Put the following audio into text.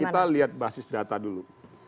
kita lihat basis data dulu